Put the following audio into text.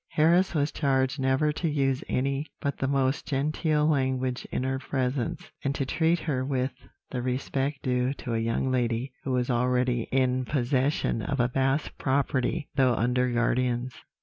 Harris was charged never to use any but the most genteel language in her presence, and to treat her with the respect due to a young lady who was already in possession of a vast property, though under guardians.